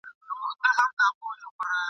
زه نغمه یمه د میني، زه زینت د دې جهان یم !.